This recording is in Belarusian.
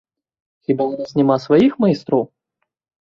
Хіба ў нас няма сваіх майстроў?